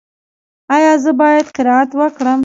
ایا زه باید قناعت وکړم؟